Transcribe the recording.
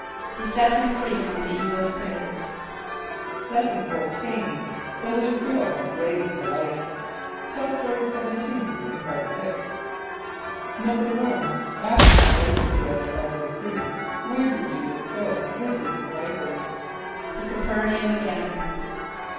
=He set him free from the evil spirit.= Lesson XIV. The Little Girl Raised to Life. (Tell Story 17 in Part Sixth.) =1.= After his visit to the other side of the sea, where did J[=e]´[s+]us go with his disciples? =To C[+a] p[~e]r´na [)u]m again.